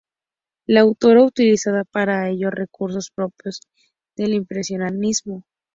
La autora utiliza para ello recursos propios del impresionismo.